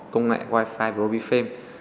công nghệ wi fi robi frame